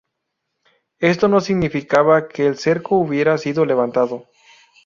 Esto no significaba que el cerco hubiera sido levantado.